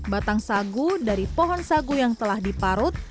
batang sagu dari pohon sagu yang telah diparut